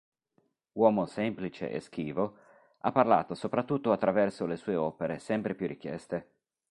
Uomo semplice e schivo ha parlato soprattutto attraverso le sue opere sempre più richieste.